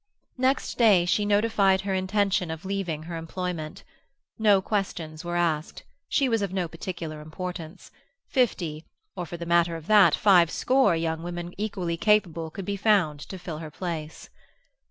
Next day she notified her intention of leaving her employment. No questions were asked; she was of no particular importance; fifty, or, for the matter of that, five score, young women equally capable could be found to fill her place.